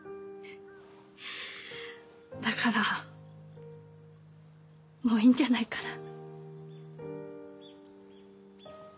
だからもういいんじゃないかな。